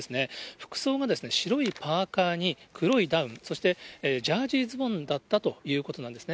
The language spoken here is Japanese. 服装が白いパーカーに黒いダウン、そしてジャージーズボンだったということなんですね。